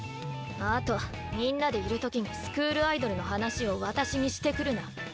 あとみんなでいる時にスクールアイドルの話を私にしてくるな。